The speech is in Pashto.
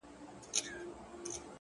په دې پوهېږمه چي ستا د وجود سا به سم ـ